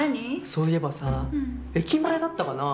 そいえばさ駅前だったかな？